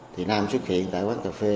thì nam xuất hiện tại quán cà phê